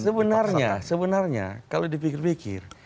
sebenarnya sebenarnya kalau dipikir pikir